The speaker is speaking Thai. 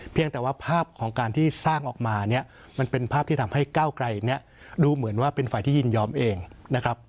เพียงแต่ว่าภาพของการที่สร้างออกมาเนี่ยมันเป็นภาพที่ทำให้ก้าวไกลเนี่ยดูเหมือนว่าเป็นฝ่ายที่ยินยอมเองนะครับ